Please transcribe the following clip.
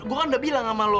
gua kan udah bilang sama lu